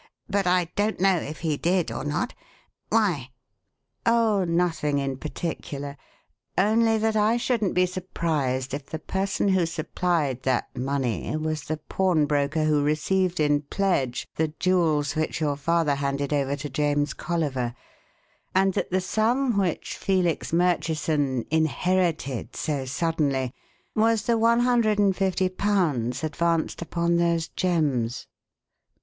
But I don't know if he did or not. Why?" "Oh, nothing in particular only that I shouldn't be surprised if the person who supplied that money was the pawnbroker who received in pledge the jewels which your father handed over to James Colliver, and that the sum which Felix Murchison 'inherited' so suddenly was the £150 advanced upon those gems."